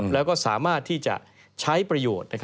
แล้วก็สามารถที่จะใช้ประโยชน์